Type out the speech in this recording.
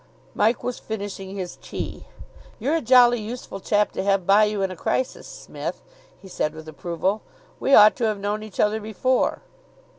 Mike was finishing his tea. "You're a jolly useful chap to have by you in a crisis, Smith," he said with approval. "We ought to have known each other before."